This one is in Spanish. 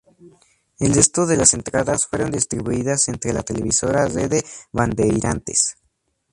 El resto de las entradas fueron distribuidas entre la televisora Rede Bandeirantes.